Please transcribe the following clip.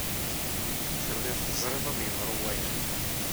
Tellid teẓrid ad yeḍru waya!